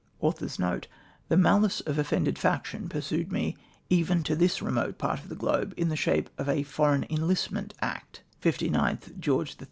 * I wiU not attempt * The malice of offendecl faction pursued me even to this remote part of the globe, in the shape of a "Foreign Enlistment Act" (59th George III.